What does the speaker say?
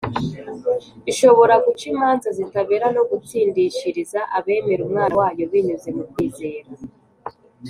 ishobora guca imanza zitabera no gutsindishiriza abemera Umwana wayo binyuze mu kwizera.